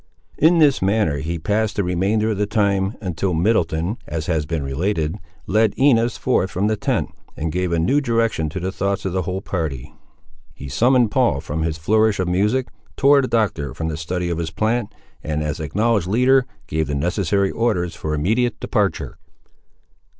In this manner passed the remainder of the time, until Middleton, as has been related, led Inez forth from the tent, and gave a new direction to the thoughts of the whole party. He summoned Paul from his flourish of music, tore the Doctor from the study of his plant, and, as acknowledged leader, gave the necessary orders for immediate departure.